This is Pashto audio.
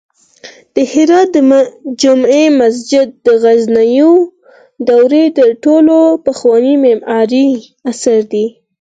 د هرات د جمعې مسجد د غزنوي دورې تر ټولو پخوانی معماری اثر دی